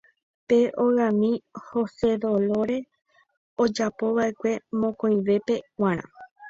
Pe ogami Hosedolóre ojapovaʼekue mokõivépe g̃uarã.